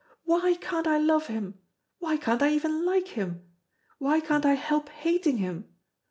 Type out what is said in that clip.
Why can't I love him? Why can't I even like him? Why can't I help hating him?